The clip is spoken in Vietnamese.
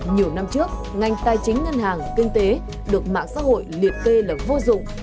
nhiều năm trước ngành tài chính ngân hàng kinh tế được mạng xã hội liệt kê là vô dụng